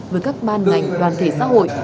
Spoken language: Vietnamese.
với các ban ngành đoàn thể xã hội